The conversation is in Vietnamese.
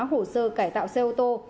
hồ sơ cải tạo xe ô tô